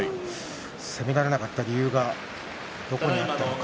攻められなかった理由はどこにあったのか。